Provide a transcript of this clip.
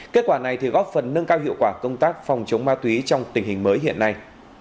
kết quả này góp phần nâng cao hiệu quả công tác phòng chống ma túy trong tình hình mới hiện nay